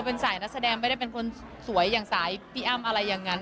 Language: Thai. เออเป็นสายนักแสดงไม่ได้เป็นคนนักแสดงสวยอย่างสายพรีอามอะไรอย่างนั้น